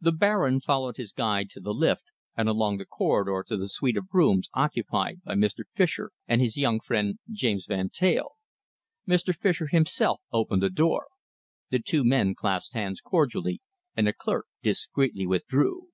The Baron followed his guide to the lift and along the corridor to the suite of rooms occupied by Mr. Fischer and his young friend, James Van Teyl. Mr. Fischer himself opened the door. The two men clasped hands cordially, and the clerk discreetly withdrew.